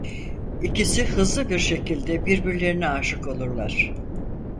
İkisi hızlı bir şekilde birbirlerine aşık olurlar.